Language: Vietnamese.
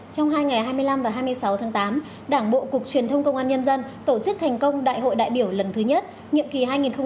trong hai ngày hai mươi năm và hai mươi sáu tháng tám đảng bộ cục truyền thông công an nhân dân tổ chức thành công đại hội đại biểu lần thứ nhất nhiệm kỳ hai nghìn hai mươi hai nghìn hai mươi năm